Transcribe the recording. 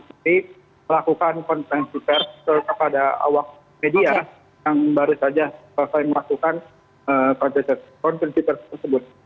melakukan kontensi tersebut pada awal media yang baru saja melakukan kontensi tersebut